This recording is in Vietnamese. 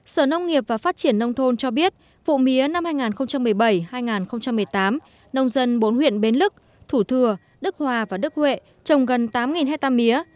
sở nông nghiệp và phát triển nông thôn cho biết vụ mía năm hai nghìn một mươi bảy hai nghìn một mươi tám nông dân bốn huyện bến lức thủ thừa đức hòa và đức huệ trồng gần tám hectare mía